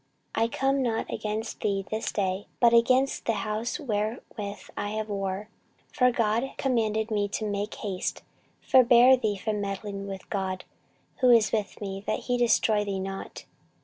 I come not against thee this day, but against the house wherewith I have war: for God commanded me to make haste: forbear thee from meddling with God, who is with me, that he destroy thee not.